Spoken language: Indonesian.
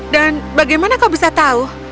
bagaimana kau bisa tahu